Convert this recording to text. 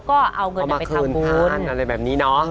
ก็เอาเงินไปทำบุญเอามาคืนทานอะไรแบบนี้เนาะ